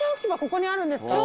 ここにあるんですか？